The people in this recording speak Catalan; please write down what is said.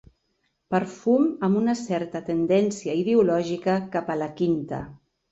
Perfum amb una certa tendència ideològica cap a la quinta.